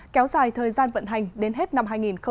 kéo dài thời gian vận hành đến hết năm hai nghìn hai mươi